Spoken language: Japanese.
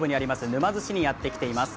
沼津市にやってきています。